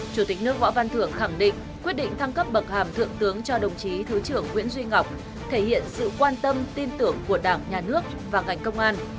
chủ tịch nước võ văn thưởng khẳng định quyết định thăng cấp bậc hàm thượng tướng cho đồng chí thứ trưởng nguyễn duy ngọc thể hiện sự quan tâm tin tưởng của đảng nhà nước và ngành công an